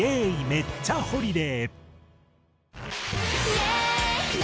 めっちゃホリディ」